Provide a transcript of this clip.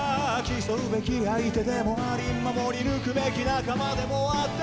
「競うべき相手でもあり守り抜くべき仲間でもあって」